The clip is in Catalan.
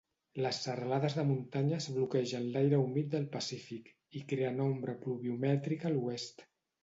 Les serralades de muntanyes bloquegen l'aire humit del Pacífic i creen ombra pluviomètrica a l'oest.